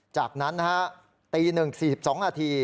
จากนั้นตี๑๔๒น